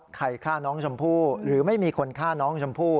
ใครฆ่าน้องชมพู่หรือไม่มีคนฆ่าน้องชมพู่